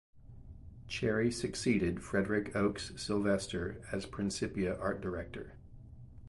Cherry succeeded Frederick Oakes Sylvester as Principia art director.